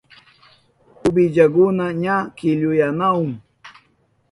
Uwillakuna ña killuyanahun.